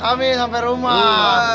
kami sampai rumah